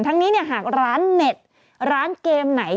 ทั้งนี้เนี่ยหากร้านเน็ตร้านเกมไหน